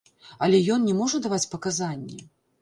Але ён не можа даваць паказанні.